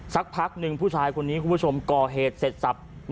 สักพักหนึ่งผู้ชายคนนี้คุณผู้ชมก่อเหตุเสร็จสับ